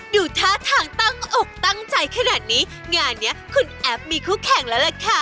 ดูท่าทางตั้งอกตั้งใจขนาดนี้งานเนี้ยคุณแอปมีคู่แข่งแล้วล่ะค่ะ